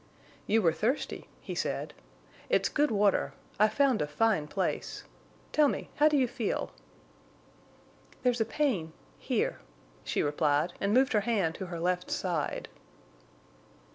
"You were thirsty," he said. "It's good water. I've found a fine place. Tell me—how do you feel?" "There's pain—here," she replied, and moved her hand to her left side.